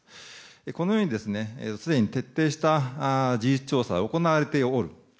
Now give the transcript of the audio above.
このように、すでに徹底した事実調査は行われている。